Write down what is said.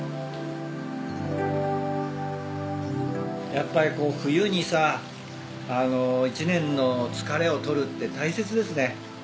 やっぱりこう冬にさあの一年の疲れを取るって大切ですね温泉で。